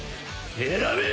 選べ！